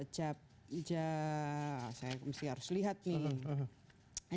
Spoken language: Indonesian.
saya harus lihat nih